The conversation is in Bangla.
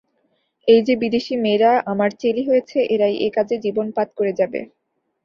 এই যে বিদেশী মেয়েরা আমার চেলী হয়েছে, এরাই এ-কাজে জীবনপাত করে যাবে।